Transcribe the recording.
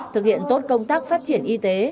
thực hiện tốt công tác phát triển y tế